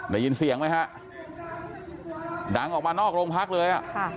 ได้ยินเสียงไหมครับดังออกมานอกโรงพักเลย